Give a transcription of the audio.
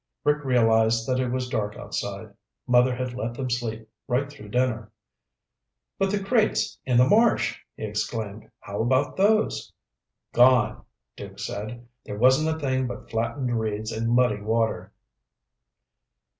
Rick realized that it was dark outside. Mother had let them sleep right through dinner. "But the crates in the marsh," he exclaimed. "How about those?" "Gone," Duke said. "There wasn't a thing but flattened reeds and muddy water."